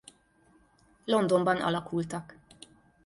Londonban alakultak.